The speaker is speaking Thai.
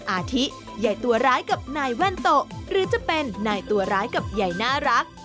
อาทิใหญ่ตัวร้ายกับนายแว่นโตหรือจะเป็นนายตัวร้ายกับใหญ่น่ารัก